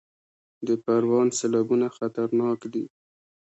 د پروان سیلابونه خطرناک دي